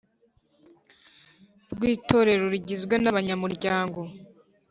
Rw itorero rugizwe n abanyamuryango